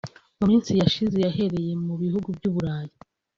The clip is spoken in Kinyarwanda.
mu minsi yashize yahereye mu bihugu by’u Burayi